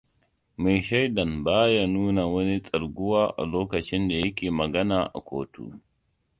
Mai shaidan ba nuna wani tsarguwa a lokacin dayake magana a kotu.